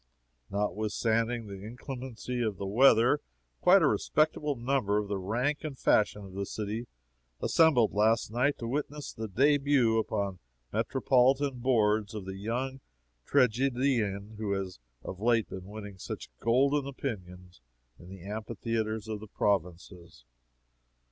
Notwithstanding the inclemency of the weather, quite a respectable number of the rank and fashion of the city assembled last night to witness the debut upon metropolitan boards of the young tragedian who has of late been winning such golden opinions in the amphitheatres of the provinces.